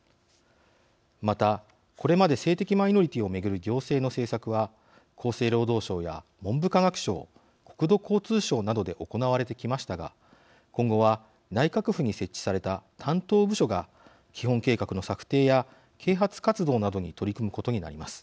またこれまで性的マイノリティーを巡る行政の政策は厚生労働省や文部科学省国土交通省などで行われてきましたが今後は内閣府に設置された担当部署が基本計画の策定や啓発活動などに取り組むことになります。